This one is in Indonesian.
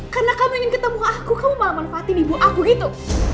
karena kamu ingin ketemu aku kamu malah manfaatin ibu aku gitu